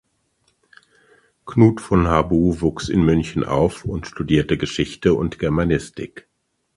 Knud von Harbou wuchs in München auf und studierte Geschichte und Germanistik.